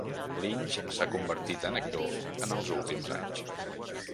Lynch s'ha convertit en actor en els últims anys.